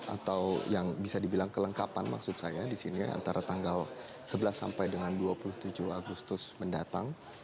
atau yang bisa dibilang kelengkapan maksud saya di sini antara tanggal sebelas sampai dengan dua puluh tujuh agustus mendatang